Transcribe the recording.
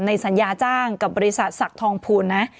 สัญญาจ้างกับบริษัทศักดิ์ทองภูลนะ